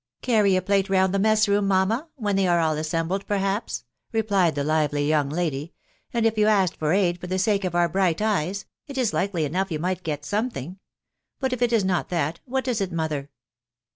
" Carry a plate round the mess room, mamma, when they are all assembled, perhaps/' replied the .lively young lady, " ana if you asked for aid for the sake of our bright eyes, it is likely enough you might get something ; but if it is not that, what is it, mother?"